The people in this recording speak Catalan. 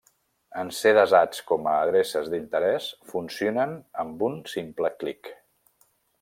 En ser desats com a adreces d'interès, funcionen amb un simple clic.